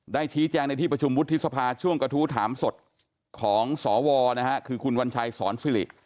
ชี้แจงในที่ประชุมวุฒิสภาช่วงกระทู้ถามสดของสวนะฮะคือคุณวัญชัยสอนสิริ